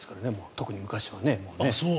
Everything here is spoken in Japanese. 特に昔は。